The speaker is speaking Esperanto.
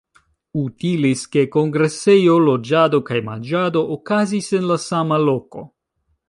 Utilis ke kongresejo, loĝado kaj manĝado okazis en la sama loko.